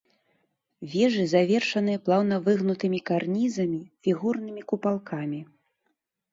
Вежы завершаныя плаўна выгнутымі карнізамі, фігурнымі купалкамі.